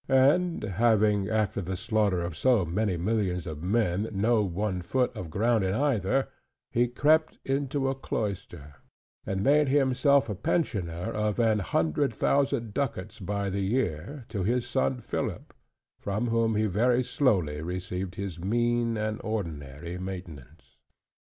And having, after the slaughter of so many millions of men, no one foot of ground in either: he crept into a cloister, and made himself a pensioner of an hundred thousand ducats by the year, to his son Philip, from whom he very slowly received his mean and ordinary maintenance.